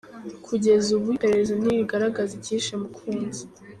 Kugeza ubu iperereza ntiriragaragaza icyishe Mukunzi.